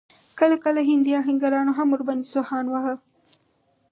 کله کله هندي اهنګرانو هم ور باندې سوهان واهه.